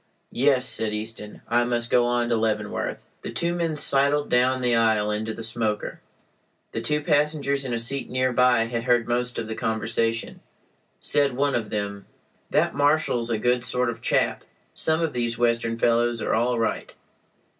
"Yes," said Easton, "I must go on to Leavenworth." The two men sidled down the aisle into the smoker. The two passengers in a seat near by had heard most of the conversation. Said one of them: "That marshal's a good sort of chap. Some of these Western fellows are all right."